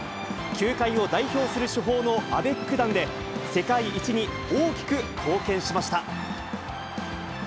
球界を代表する主砲のアベック弾で、世界一に大きく貢献しました。